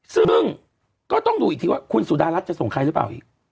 ซึ่งก็ต้องดูอีกทีว่าคุณสุดารัฐจะส่งใครหรือเปล่าอีก